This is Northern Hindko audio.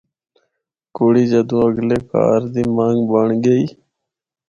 کڑی جدوں اگلے کہار دی منگ بنڑ گئی۔